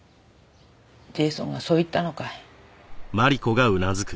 ジェイソンがそう言ったのかい？